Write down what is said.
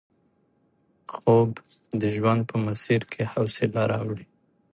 خوب د ژوند په مسیر کې حوصله راوړي